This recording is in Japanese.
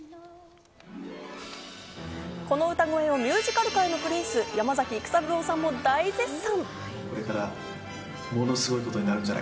この歌声をミュージカル界のプリンス・山崎育三郎さんも大絶賛。